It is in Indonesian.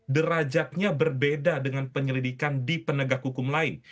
derajatnya berbeda dengan penyelidikan di penegak hukum lain